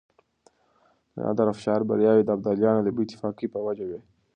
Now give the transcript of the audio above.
د نادرافشار برياوې د ابدالیانو د بې اتفاقۍ په وجه وې.